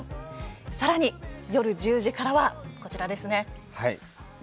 さらに、夜１０時からはこちらですね。